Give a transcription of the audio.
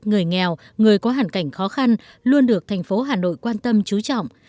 người nghèo người có hàn cảnh khó khăn luôn được thành phố hà nội quan tâm trú trọng